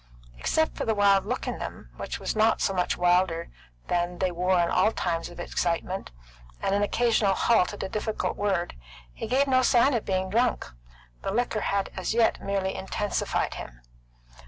Except for the wild look in them, which was not so much wilder than they wore in all times of excitement, and an occasional halt at a difficult word, he gave no sign of being drunk. The liquor had as yet merely intensified him.